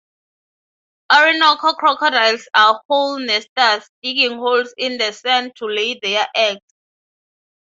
Orinoco crocodiles are hole nesters, digging holes in the sand to lay their eggs.